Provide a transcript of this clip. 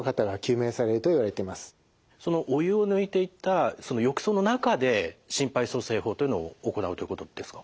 そのお湯を抜いていたその浴槽の中で心肺蘇生法というのを行うということですか？